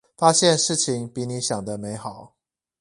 發現事情比你想的美好